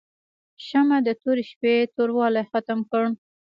شمعه د تورې شپې توروالی ختم کړ.